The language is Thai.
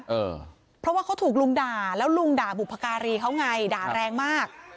เออเพราะว่าเขาถูกลุงด่าแล้วลุงด่าบุพการีเขาไงด่าแรงมาก